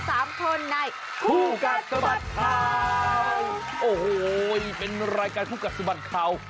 สามคนในคุกกัสสุบัติข่าวโอ้โหเป็นรายการคุกัสสบัติข่าว